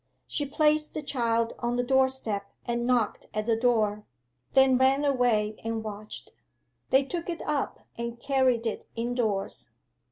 She placed the child on the doorstep and knocked at the door, then ran away and watched. They took it up and carried it indoors.